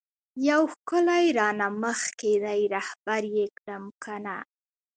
یو ښکلی رانه مخکی دی رهبر یی کړم کنه؟